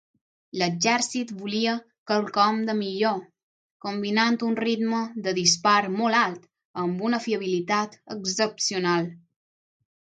L'exèrcit volia quelcom de millor, combinant un ritme de dispar molt alt amb una fiabilitat excepcional.